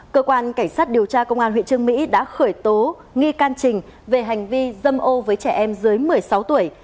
cơ quan cảnh sát điều tra công an huyện trương mỹ đã khởi tố nghi can trình về hành vi dâm ô với trẻ em dưới một mươi sáu tuổi